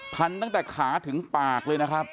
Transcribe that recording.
ตั้งแต่ขาถึงปากเลยนะครับ